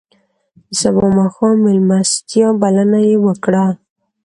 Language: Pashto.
د سبا ماښام میلمستیا بلنه یې وکړه.